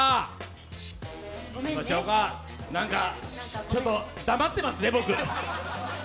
なんか、ちょっと黙ってますね、僕。